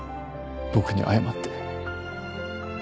僕に謝って。